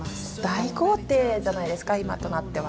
大豪邸じゃないですか今となっては。